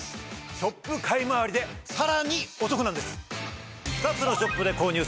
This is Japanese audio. ショップ買いまわりでさらにお得なんです！